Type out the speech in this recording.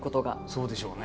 そうでしょうね。